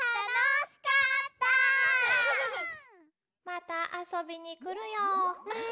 またあそびにくるよ。